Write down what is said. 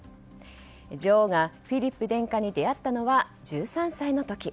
女王がフィリップ殿下に出会ったのは１３歳の時。